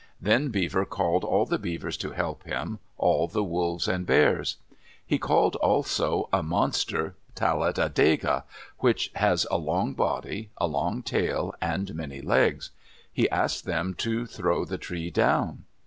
Then Beaver called all the Beavers to help him, all the Wolves and Bears. He called also a monster Talat adega, which has a long body, a long tail, and many legs. He asked them to throw the tree down.